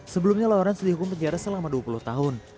sebelumnya lawrence dihukum penjara selama dua puluh tahun